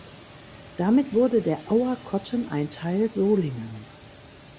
Damit wurde der Auer Kotten ein Teil Solingens.